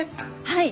はい。